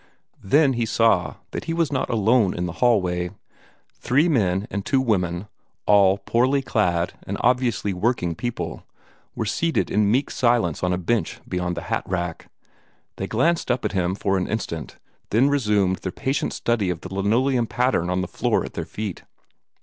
Then he saw that he was not alone in the hall way. Three men and two women, all poorly clad and obviously working people, were seated in meek silence on a bench beyond the hat rack. They glanced up at him for an instant, then resumed their patient study of the linoleum pattern on the floor at their feet.